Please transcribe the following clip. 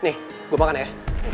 nih gue makan ya